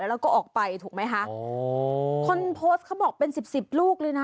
แล้วก็ออกไปถูกไหมคะอ๋อคนโพสต์เขาบอกเป็นสิบสิบลูกเลยนะ